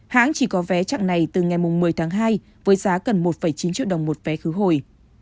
hãng chỉ có vé trạng này từ ngày mùng một mươi tháng hai với giá cần một chín triệu đồng một vé khứ hồi